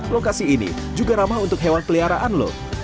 lokasi ini juga ramah untuk hewan peliharaan lho